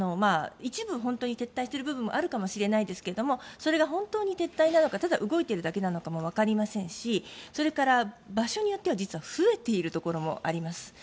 一部、本当に撤退している部分もあるかもしれないですがそれが本当に撤退なのかただ動いているだけなのかもわかりませんしそれから場所によっては実は増えているところもあります。